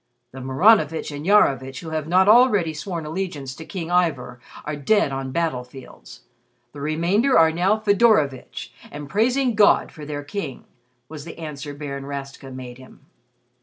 "The Maranovitch and Iarovitch who have not already sworn allegiance to King Ivor are dead on battlefields. The remainder are now Fedorovitch and praising God for their King," was the answer Baron Rastka made him.